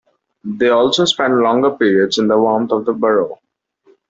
They also spend longer periods in the warmth of the burrow.